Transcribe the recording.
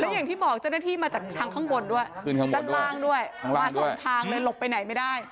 อย่างที่บอกเจ้าหน้าที่มาจากทางข้างบนด้วยด้านล่างด้วยมาสองทางเลยหลบไปไหนไม่ได้